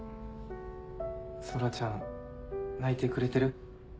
空ちゃん泣いてくれてる？